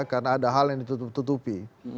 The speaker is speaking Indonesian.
karena ada hal yang ditutup tutupi